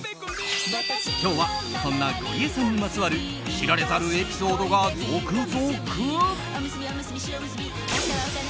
今日はそんなゴリエさんにまつわる知られざるエピソードが続々！